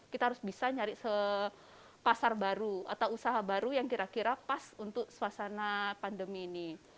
kita harus bisa nyari pasar baru atau usaha baru yang kira kira pas untuk suasana pandemi ini